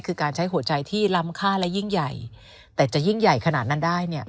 คือการใช้หัวใจที่ล้ำค่าและยิ่งใหญ่แต่จะยิ่งใหญ่ขนาดนั้นได้เนี่ย